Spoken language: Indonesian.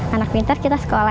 anak pintar kita sekolah